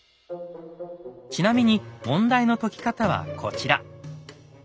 ちなみに問題の解き方はこちら。